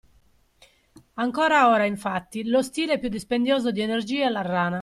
Ancora ora, infatti, lo stile più dispendioso di energie è la rana.